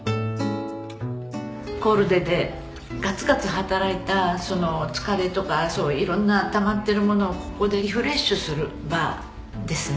コルデでガツガツ働いたその疲れとか色んなたまってるものをここでリフレッシュする場ですね。